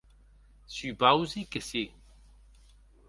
Supausi que si.